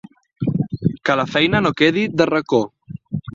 Que la feina no quedi de racó.